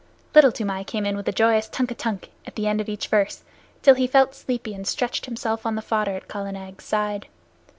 Little Toomai came in with a joyous tunk a tunk at the end of each verse, till he felt sleepy and stretched himself on the fodder at Kala Nag's side.